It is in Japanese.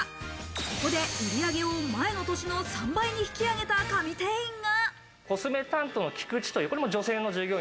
ここで売り上げを前の年の３倍に引き上げた神店員が。